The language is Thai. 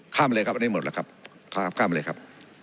ข้ามเลยครับอันนี้หมดแล้วครับข้ามเลยครับ